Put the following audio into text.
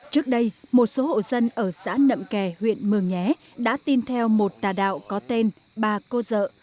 trước đây một số hộ dân ở xã nậm kè huyện mường nhé đã tin theo một tà đạo có tên bà cô dợ